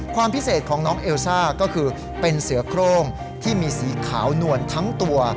ความพิเศษของน้องเอลซ่าก็คือเป็นเสือโครงที่มีสีขาวนวลทั้งตัว